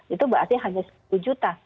itu berarti hanya sepuluh juta